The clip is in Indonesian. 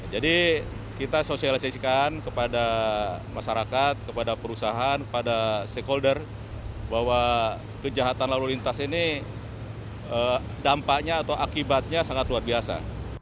jadi kita sosialisasikan kepada masyarakat kepada perusahaan kepada stakeholder bahwa kejahatan lalu lintas ini dampaknya atau akibatnya sangat luar biasa